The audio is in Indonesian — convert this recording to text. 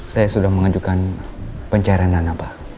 saya sudah mengajukan pencairan dana pak